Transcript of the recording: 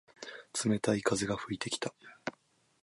冷たい風が吹いてきた。